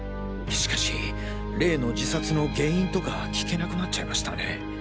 しかし例の自殺の原因とか聞けなくなっちゃいましたね。